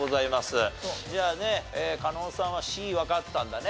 じゃあね加納さんはＣわかったんだね。